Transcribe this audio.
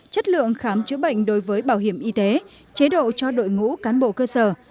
chất lượng khám chữa bệnh đối với bảo hiểm y tế chế độ cho đội ngũ cán bộ cơ sở